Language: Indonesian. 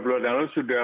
berapa bulan lalu sudah